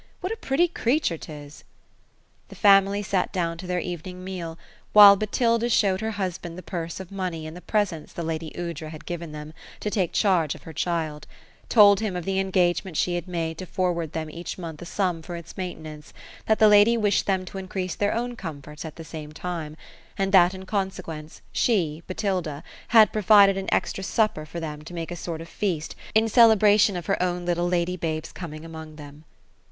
What a pretty creature His !*' The family sat down to their evening meal ; while Botilda showed her husband the pnrse of money and the presents the lady Aoudra had given them to take charge of her child ; told him of the engagement she bad made, to forward them each month a sum for its maintenance ; that the ladv wished them to increase their own comforts at the same time : and that in consequence, she, Botilda, had provided an extra supper for them to make a sort of feast in celebration of her own little lady babe's coming an»ong them.